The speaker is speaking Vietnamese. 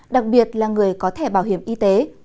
đặc biệt là người có thẻ bảo hiểm y tế